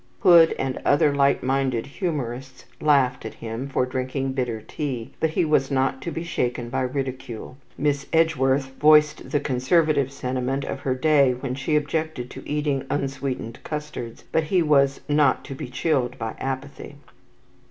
Hood and other light minded humourists laughed at him for drinking bitter tea; but he was not to be shaken by ridicule. Miss Edgeworth voiced the conservative sentiment of her day when she objected to eating unsweetened custards; but he was not to be chilled by apathy.